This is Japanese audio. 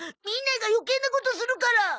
みんなが余計なことするから。